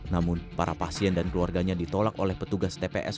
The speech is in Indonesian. namun para pasien dan keluarganya ditolak oleh petugas tps